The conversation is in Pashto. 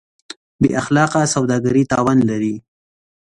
بېاخلاقه سوداګري تاوان لري.